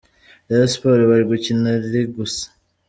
Rayon Sports bari gukina ri gusa.